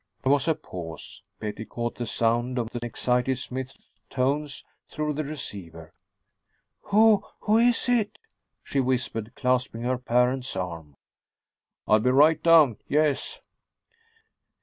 There was a pause; Betty caught the sound of the excited Smythe's tones through the receiver. "Who who is it?" she whispered, clasping her parent's arm. "I'll be right down, yes."